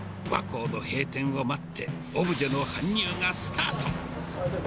和光の閉店を待って、オブジェの搬入がスタート。